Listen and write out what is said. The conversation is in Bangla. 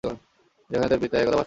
যেখানে তার পিতা একদা বসবাস করতেন।